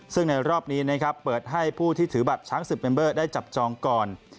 ซึ่งในรอบนี้นะครับเปิดให้ผู้ที่ถือบัตรช้างศึกเมมเบอร์ได้จับจองก่อน